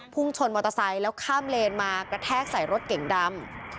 ชนมอเตอร์ไซค์แล้วข้ามเลนมากระแทกใส่รถเก่งดำ